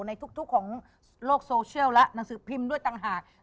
ในทุกของโลกโซเชียลและหนังสือพิมพ์ด้วยต่างหาก